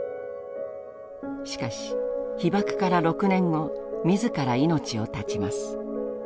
しかし被爆から６年後自ら命を絶ちます。